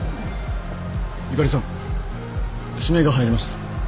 ユカリさん指名が入りました